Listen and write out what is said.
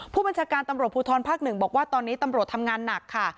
ผู้บัญชาการตำรวจภูทรภาค๑บอกว่าตอนนี้ตำรวจทำงานหนักค่ะ